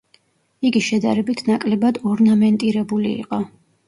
იგი შედარებით ნაკლებად ორნამენტირებული იყო.